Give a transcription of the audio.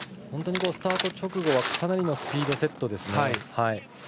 本当にスタート直後はかなりのスピードセットですね。